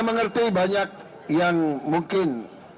mengerti banyak yang mungkin